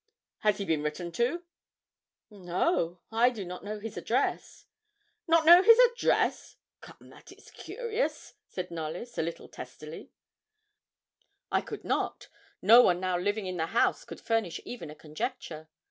'Has he been written to?' 'No, I do not know his address.' 'Not know his address! come, that is curious,' said Knollys, a little testily. I could not no one now living in the house could furnish even a conjecture.